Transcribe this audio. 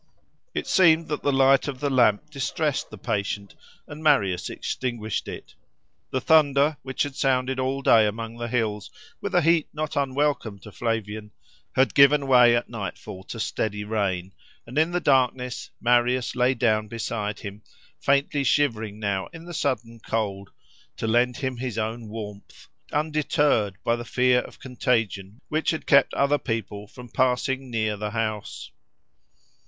It seemed that the light of the lamp distressed the patient, and Marius extinguished it. The thunder which had sounded all day among the hills, with a heat not unwelcome to Flavian, had given way at nightfall to steady rain; and in the darkness Marius lay down beside him, faintly shivering now in the sudden cold, to lend him his own warmth, undeterred by the fear of contagion which had kept other people from passing near the house.